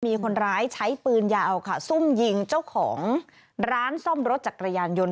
มีคนร้ายใช้ปืนยาวค่ะซุ่มยิงเจ้าของร้านซ่อมรถจักรยานยนต